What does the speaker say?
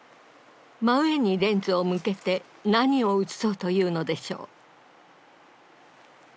真上にレンズを向けて何を写そうというのでしょう。